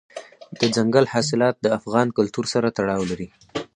دځنګل حاصلات د افغان کلتور سره تړاو لري.